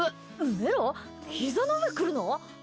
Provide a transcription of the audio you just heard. メロひざの上来るの？